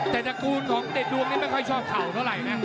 แต่ตระกูลของเด็ดดวงนี้ไม่ค่อยชอบเข่าเท่าไหร่นะ